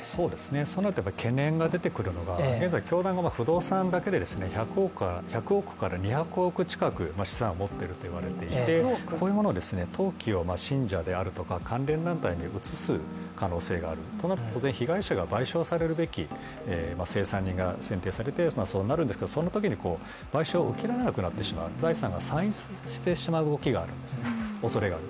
そうなるとやはり懸念が出てくるのが教団が不動産だけで１００億から２００億近く資産を持っているといわれていてこういうものを登記を信者であるとか関連団体に移す可能性がある、となると当然、被害者が賠償されるべき清算人が選定されて、そうなるんですけど、そのときに賠償を受けられなくなってしまう財産が散逸してしまうおそれがある。